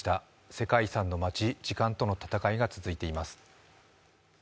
世界遺産の街、時間との戦いが続いています。